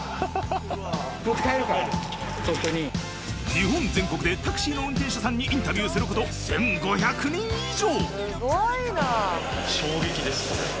日本全国でタクシーの運転手さんにインタビューすること１，５００人以上！